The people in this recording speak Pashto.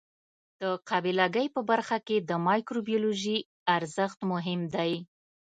د قابله ګۍ په برخه کې د مایکروبیولوژي ارزښت مهم دی.